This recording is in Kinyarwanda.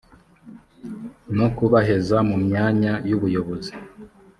no kubaheza mu myanya y ubuyobozi